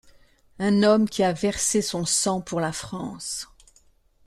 Un homme qui a versé son sang pour la France !